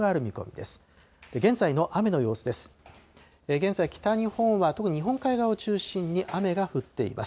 現在、北日本は特に日本海側を中心に雨が降っています。